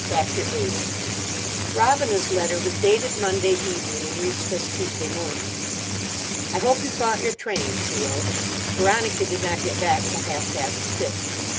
CHAPTER VIII ROBINA'S letter was dated Monday evening, and reached us Tuesday morning. "I hope you caught your train," she wrote. "Veronica did not get back till half past six.